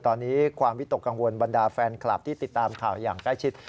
ตอนนี้ความวิตกกังวลบรรดาแฟนคลับที่ติดตามข่าวอย่างใกล้ชิด